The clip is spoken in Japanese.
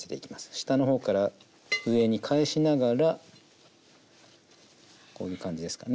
下の方から上に返しながらこういう感じですかね。